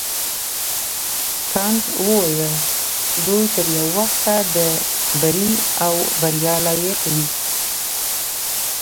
کانت وویل دوی تر یو وخته د بري او بریا لایق وي.